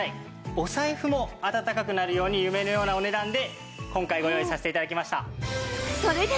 お財布も暖かくなるように夢のようなお値段で今回ご用意させて頂きました。